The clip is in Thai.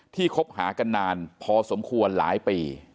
คบหากันนานพอสมควรหลายปี